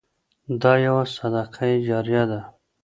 دا يو صدقه جاريه ده.